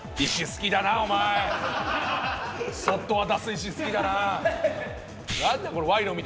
そっと渡す石好きだな。